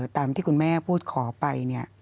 ตามที่คุณแม่พูดขอไป